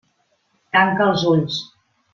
Tanca els ulls.